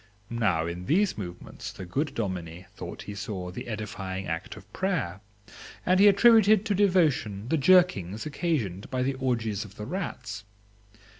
Now in these movements the good dominie thought he saw the edifying act of prayer, and he attributed to devotion the jerkings occasioned by the orgies of the rats.